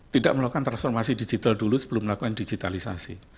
tidak melakukan transformasi digital dulu sebelum melakukan digitalisasi